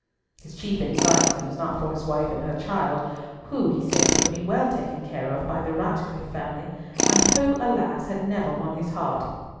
His chief anxiety was not for his wife and her child, who he said would be well taken care of by the Ratcliffe family, and who, alas! had never won his heart.